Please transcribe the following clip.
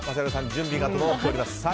準備が整っております。